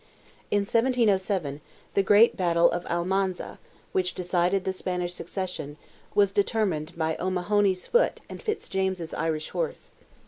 In 1707, the great battle of Almanza, which decided the Spanish succession, was determined by O'Mahony's foot and Fitzjames's Irish horse.